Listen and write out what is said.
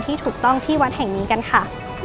ที่ถูกต้องที่วัดแห่งนี้กันค่ะ